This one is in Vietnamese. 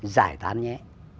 giải thoát nhé